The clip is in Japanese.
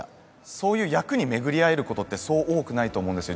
そういう役に巡り会えることってそう多くないと思うんですよ